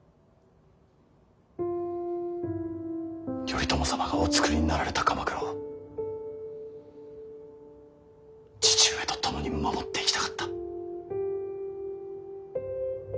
頼朝様がおつくりになられた鎌倉を父上と共に守っていきたかった。